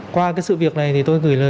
qua cái sự việc này thì tôi gửi lời